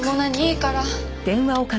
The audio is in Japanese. いいから。